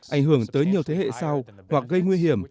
ảnh hưởng tới nhiều thế hệ sau hoặc gây nguy hiểm